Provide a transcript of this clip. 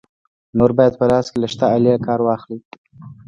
نور باید په لاس کې له شته آلې کار واخلې.